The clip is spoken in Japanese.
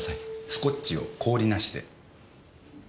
スコッチを氷なしで。